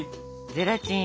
ゼラチン。